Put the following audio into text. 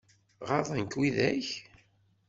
Ɣaḍen-k widak?